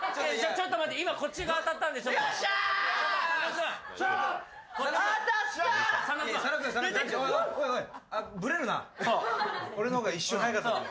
ちょっと待って、今、こっちが当たったんです。